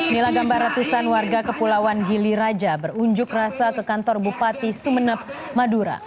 mila gambar ratusan warga kepulauan gili raja berunjuk rasa ke kantor bupati sumeneb madura